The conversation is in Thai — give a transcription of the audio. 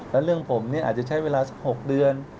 แล้วเรื่องผมนี่อาจจะใช้เวลาสัก๖เดือน